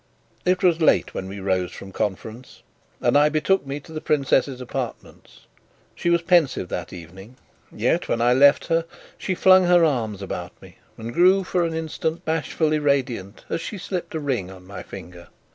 It was late when we rose from conference, and I betook me to the princess's apartments. She was pensive that evening; yet, when I left her, she flung her arms about me and grew, for an instant, bashfully radiant as she slipped a ring on my finger.